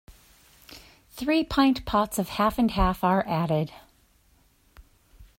Three pint pots of half-and-half are added.